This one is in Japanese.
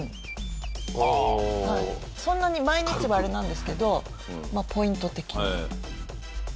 そんなに毎日はあれなんですけどまあポイント的に。